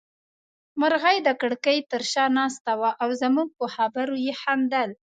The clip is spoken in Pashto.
مرغۍ د کړکۍ تر شا ناسته وه او زموږ په خبرو يې خندل.